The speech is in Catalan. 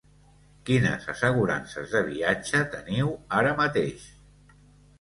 Quines assegurances de viatge teniu ara mateix?